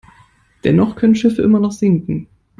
Dennoch können Schiffe immer noch sinken.